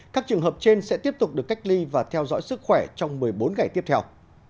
các trường hợp trên sẽ tiếp tục được cách ly và theo dõi sức khỏe trong một mươi bốn ngày tiếp theo